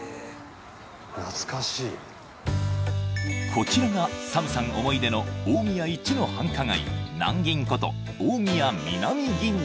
こちらがＳＡＭさん思い出の大宮一の繁華街ナンギンこと